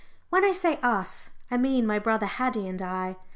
When I say "us," I mean my brother Haddie and I.